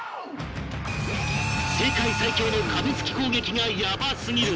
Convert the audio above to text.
世界最強の噛みつき攻撃がヤバすぎる！